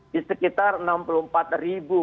di sekitar enam puluh empat ribu